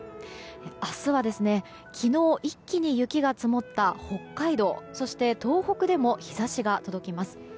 明日は昨日一気に雪が積もった北海道そして、東北でも日差しが届きます。